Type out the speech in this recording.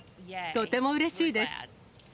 とてもうれしいです。